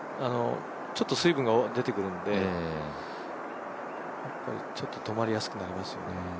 ちょっと水分が出てくるんで、止まりやすくなりますよね。